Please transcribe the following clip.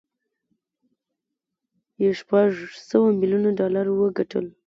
یې شپږ سوه ميليونه ډالر وګټل